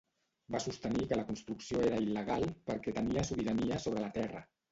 Va sostenir que la construcció era il·legal perquè tenia sobirania sobre la terra.